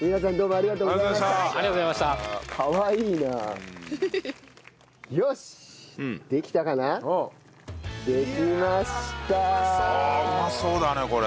あうまそうだねこれ。